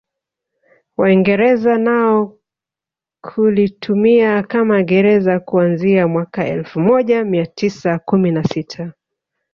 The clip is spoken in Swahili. Waingereza nao kulitumia kama gereza kuanzia mwaka elfu moja mia tisa kumi na sita